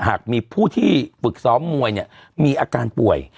หากมีผู้ที่ฝึกซ้อมมวยเนี่ยมีอาการป่วย